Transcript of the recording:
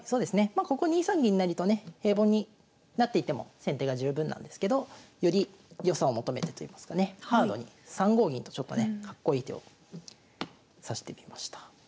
まここ２三銀成とね平凡に成っていっても先手が十分なんですけどより良さを求めてといいますかねハードに３五銀とちょっとねかっこいい手を指してみました。